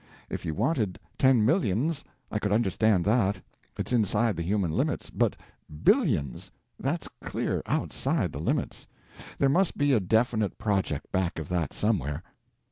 If you wanted ten millions, I could understand that—it's inside the human limits. But billions! That's clear outside the limits. There must be a definite project back of that somewhere."